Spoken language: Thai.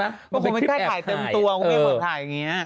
มันคือไม่ใช่ถ่ายเติมตัวมันเป็นความถ่ายอย่างนี้